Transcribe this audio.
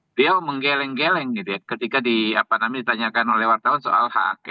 beliau menggeleng geleng ketika ditanyakan oleh wartawan soal hak hak